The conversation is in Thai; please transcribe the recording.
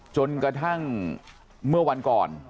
จนกระทั่งเมื่อวันก่อน